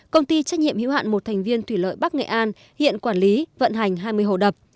công ty trách nhiệm hữu hạn một thành viên thủy lợi bắc nghệ an hiện quản lý vận hành hai mươi hồ đập